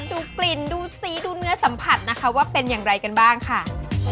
ดูกลิ่นดูสีดูเนื้อสัมผัสนะคะว่าเป็นอย่างไรกันบ้างค่ะ